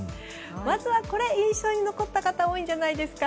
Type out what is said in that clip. まずはこれ、印象に残った方が多いんじゃないでしょうか。